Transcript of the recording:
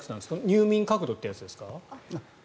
入眠角度ってやつですか？